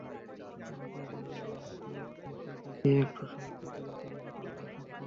আমাদের যার যার অবস্থান থেকে যদি একটু সহায়তা করি তবে সেটা অবশ্যই সম্ভব।